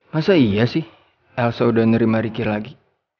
masa iya sih elsa udah nerima ricky lagi